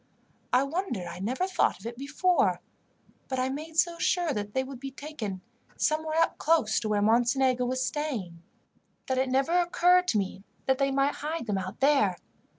I wonder I never thought of it before; but I made so sure that they would be taken somewhere close to where Mocenigo was staying, that it never occurred to me that they might hide them out there.